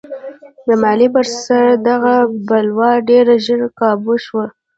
د مالیې پر سر دغه بلوا ډېر ژر کابو شوه.